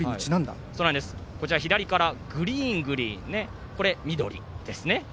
左から「グリーングリーン」これ、緑ですね。